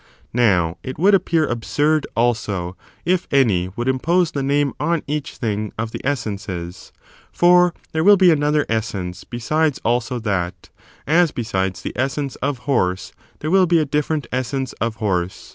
Now, it would appear absurd, also, if any would impose the name on each thing of the essences; for there will be another essence besides also that : as besides the essence of horse there will be a different essence of horse.